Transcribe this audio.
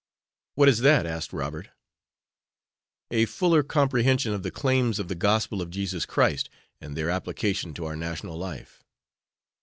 "What is that?" asked Robert. "A fuller comprehension of the claims of the Gospel of Jesus Christ, and their application to our national life."